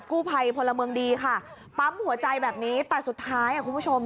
กู้ภัยพลเมืองดีค่ะปั๊มหัวใจแบบนี้แต่สุดท้ายอ่ะคุณผู้ชม